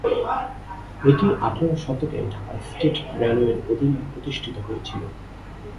এটি আঠারো শতকে ঢাকা স্টেট রেলওয়ের অধীনে প্রতিষ্ঠিত হয়েছিল।